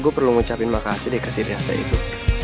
gue perlu ngucapin makasih deh ke si riasa itu